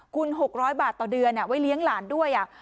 คุณหกร้อยบาทต่อเดือนอ่ะไว้เลี้ยงหลานด้วยอ่ะ